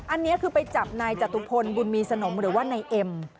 อันนี้คือไปจับนายจตุพลบุญมีสนมหรือว่านายเอ็ม